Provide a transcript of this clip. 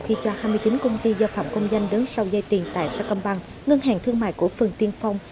khi cho hai mươi chín công ty do phạm công danh đứng sau dây tiền tại sacomban ngân hàng thương mại của phần tiên phong